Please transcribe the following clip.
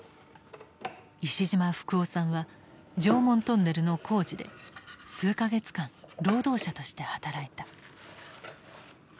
石島福男さんは常紋トンネルの工事で数か月間労働者として働いた。